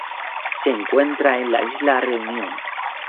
Se encuentra en la isla Reunión.